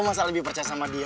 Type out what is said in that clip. masa lebih percaya sama dia